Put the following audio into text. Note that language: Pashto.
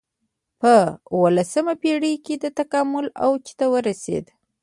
په اولسمه پېړۍ کې د تکامل اوج ته ورسېد.